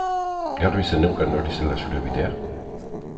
Garbi zeneukan hori zela zure bidea?